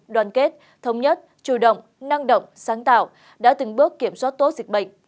đoàn kết thống nhất chủ động năng động sáng tạo đã từng bước kiểm soát tốt dịch bệnh